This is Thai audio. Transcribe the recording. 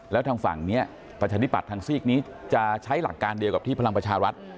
แล้วทางฝั่งนี้ประชาธิปัตย์ทางซีกนี้จะใช้หลักการเดียวกับที่พลังประชารัฐ